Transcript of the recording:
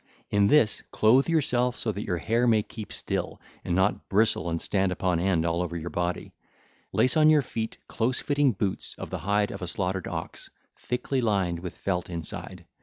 In this clothe yourself so that your hair may keep still and not bristle and stand upon end all over your body. Lace on your feet close fitting boots of the hide of a slaughtered ox, thickly lined with felt inside.